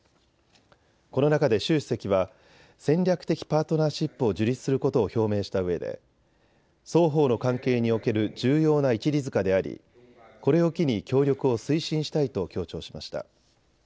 この中で習主席は戦略的パートナーシップを樹立することを表明したうえで双方の関係における重要な一里塚であり、これを機に協力を推進したいと強調しました。